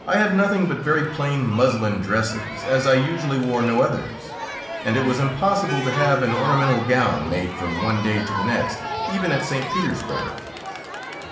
I had nothing but very plain muslin dresses, as I usually wore no others, and it was impossible to have an ornamental gown made from one day to the next, even at St. Petersburg.